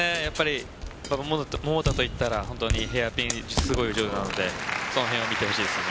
桃田と言ったらヘアピンすごい上手なのでその辺を見てほしいですね。